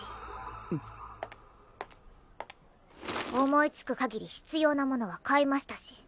思いつくかぎり必要なものは買いましたし。